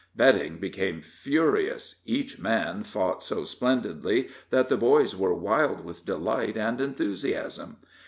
Betting became furious each man fought so splendidly, that the boys were wild with delight and enthusiasm.